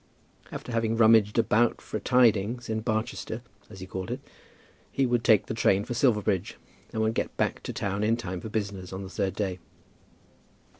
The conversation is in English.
After having "rummaged about for tidings" in Barchester, as he called it, he would take the train for Silverbridge, and would get back to town in time for business on the third day.